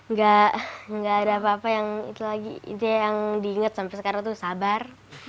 nggak ada apa apa yang diingat sampai sekarang tuh sabar